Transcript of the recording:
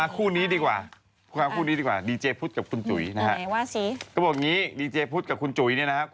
พี่สุยเขาเป็นคนนุ่มผ้าไทยสวยเห็นเปล่า